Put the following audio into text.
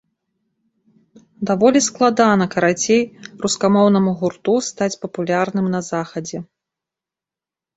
Даволі складана, карацей, рускамоўнаму гурту стаць папулярным на захадзе.